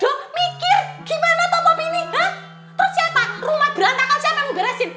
terus siapa rumah berantakan siapa mau beresin